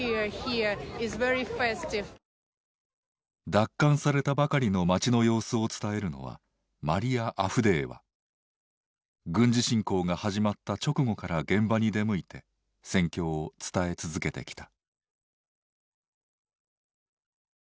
奪還されたばかりの街の様子を伝えるのは軍事侵攻が始まった直後から現場に出向いて戦況を伝え続けてきた。